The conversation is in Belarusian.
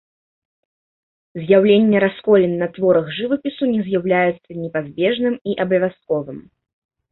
З'яўленне расколін на творах жывапісу не з'яўляецца непазбежным і абавязковым.